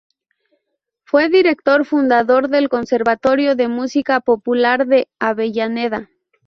Fue director fundador del Conservatorio de Música Popular de Avellaneda.